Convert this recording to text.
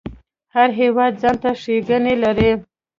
هر هیواد ځانته ښیګڼی لري